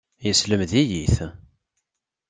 Yeslemed-iyi-t.